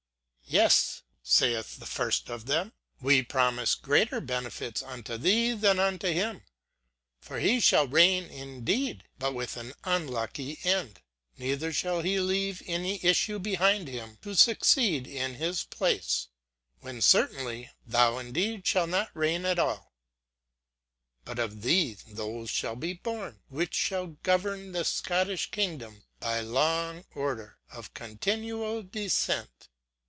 "Yes," (saith the first of them,) "we promise greater benefits unto thee than unto him; for he shall reign indeed, but with an unlucky end; neither shall he leave any issue behind him to succeed in his place, when certainly thou indeed shalt not reign at all, but of thee those shall be born which shall govern the Scottish kingdom by long order of continual descent."